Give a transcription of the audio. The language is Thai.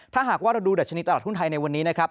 ถ้าหากว่าเราดูดัชนีตลาดหุ้นไทยในวันนี้นะครับ